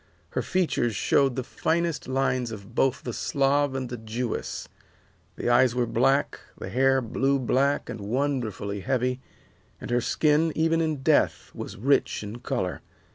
Her features showed the finest lines of both the Slav and the Jewess; the eyes were black, the hair blue black and wonderfully heavy, and her skin, even in death, was rich in color.